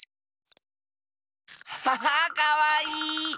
アハハッかわいい！